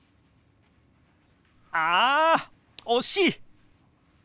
あ惜しい！